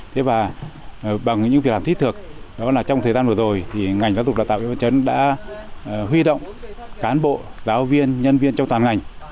thế và bằng những việc làm thiết thực đó là trong thời gian vừa rồi thì ngành giáo dục đào tạo yên văn chấn đã huy động cán bộ giáo viên nhân viên trong toàn ngành